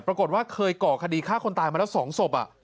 ปรากฏว่าเคยก่อคดีฆ่าคนตายมาแล้ว๒ศพ